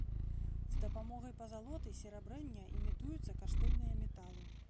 З дапамогай пазалоты, серабрэння імітуюцца каштоўныя металы.